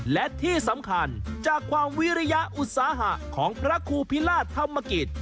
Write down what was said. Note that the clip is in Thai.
และที่สำคัญจากความวิริยอุตสาหะของพระครูพิราชธรรมกิจ